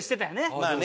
まあね。